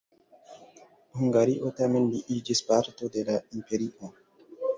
Hungario tamen ne iĝis parto de la imperio.